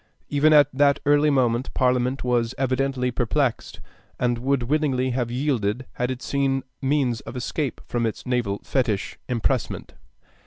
Even at that early moment Parliament was evidently perplexed, and would willingly have yielded had it seen means of escape from its naval fetich, impressment.